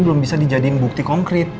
belum bisa dijadikan bukti konkret